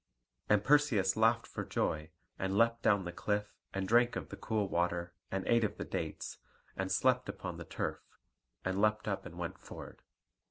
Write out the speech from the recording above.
And Perseus laughed for joy, and leapt down the cliff and drank of the cool water, and ate of the dates, and slept upon the turf, and leapt up and went forward.